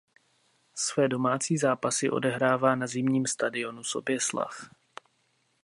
Své domácí zápasy odehrává na zimním stadionu Soběslav.